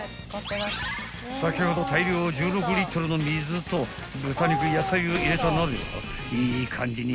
［先ほど大量１６リットルの水と豚肉野菜を入れた鍋が］